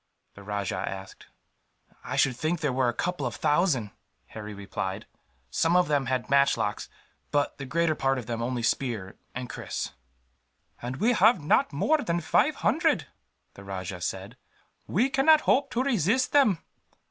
the rajah asked. "I should think there were a couple of thousand," Harry replied. "Some of them had matchlocks, but the greater part of them only spear and kris." "And we have not more than five hundred," the rajah said. "We cannot hope to resist them.